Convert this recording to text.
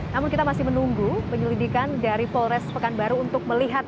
namun kita masih menunggu penyelidikan dari polres pekan baru untuk melepaskan